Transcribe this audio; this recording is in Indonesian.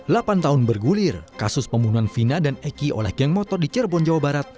delapan tahun bergulir kasus pembunuhan vina dan eki oleh geng motor di cirebon jawa barat